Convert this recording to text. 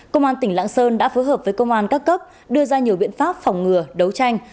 công an tỉnh lạng sơn đã phối hợp với công an các cấp đưa ra nhiều biện pháp phòng ngừa đấu tranh